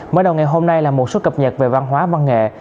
mở đầu ngày hôm nay là một số cập nhật về văn hóa văn nghệ